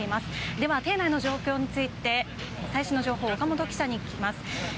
では現在の状況について最新の情報を岡本記者に聞きます。